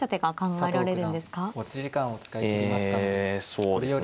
えそうですね